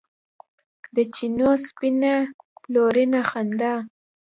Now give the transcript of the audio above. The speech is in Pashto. د چېنو سپینه بلورینه خندا